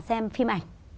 xem phim ảnh